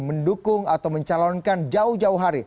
mendukung atau mencalonkan jauh jauh hari